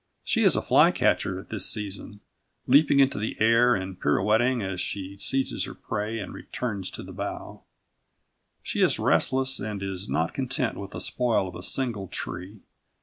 She is a fly catcher at this season, leaping into the air and pirouetting as she seizes her prey and returns to the bough. She is restless and is not content with the spoil of a single tree.